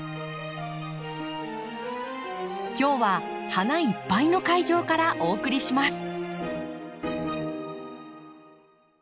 今日は花いっぱいの会場からお送りします。